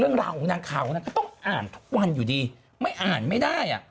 เรื่องราวของนางขาวของนางก็ต้องอ่านทุกวันอยู่ดีไม่อ่านไม่ได้อ่ะ